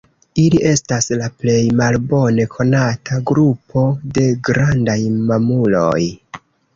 Ili estas la plej malbone konata grupo de grandaj mamuloj.